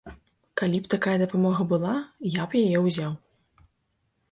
Калі б такая дапамога была, я б яе ўзяў.